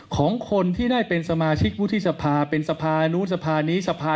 ของคนที่ได้เป็นสมาชิกพุทธศพาเป็นสภานุศภานิศภา